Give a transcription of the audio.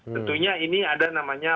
tentunya ini ada